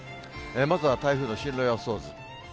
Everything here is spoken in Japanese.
まずは台風の進路予想図。